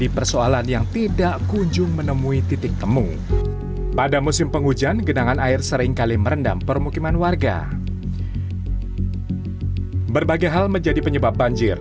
pada musim penghujan genangan air seringkali merendam permukiman warga